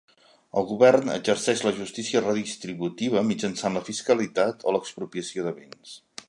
El Govern exerceix la justícia redistributiva mitjançant la fiscalitat o l'expropiació de béns.